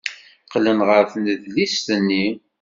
Qqlen ɣer tnedlist-nni.